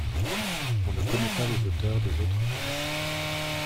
On ne connaît pas les auteurs des autres textes.